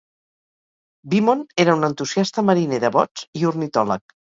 Beamont era un entusiasta mariner de bots i ornitòleg.